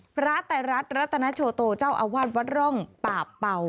ไตรรัฐรัตนโชโตเจ้าอาวาสวัดร่องป่าเป่า